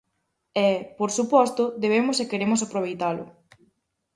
E, por suposto, debemos e queremos aproveitalo.